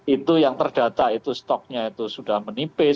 itu yang terdata itu stoknya itu sudah menipis